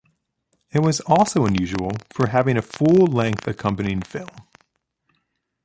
It was also unusual for having a full-length accompanying film.